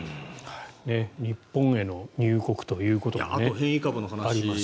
日本への入国ということもありますし。